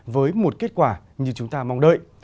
với một kết quả như chúng ta mong đợi